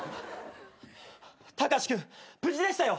タカシ君無事でしたよ。